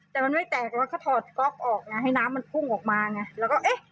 แต่มันไม่แตกแล้วเอาถอดก็อคออกให้น้ำมันพุ่งออกมาไง